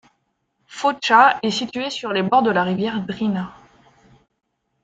Foča est située sur les bords de la rivière Drina.